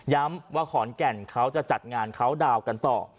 ย้ำว่าขอนแก่นเขาจะจัดงานคราวดาวกันต่อ